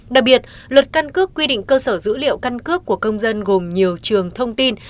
đặc biệt luật căn cước quy định cơ sở dữ liệu căn cước của công dân gồm nhiều trường thông tin